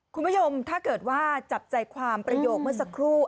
คุณผู้ชมถ้าเกิดว่าจับใจความประโยคเมื่อสักครู่